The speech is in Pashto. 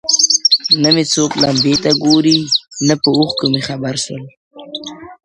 نه مي څوک لمبې ته ګوري، نه په اوښکو مي خبر سول.!